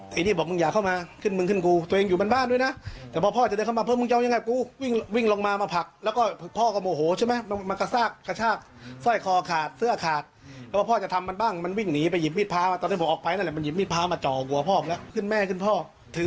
ผ่าเค้าแอลส์ชอบขอถือมิดพาเนื้อจากฟันพ่อของหมุน